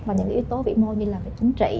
và những yếu tố vĩ mô như chính trị